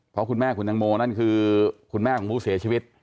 เพราะคุณแม่คุณตังโมนั่นคือคุณแม่ของผู้เสียชีวิต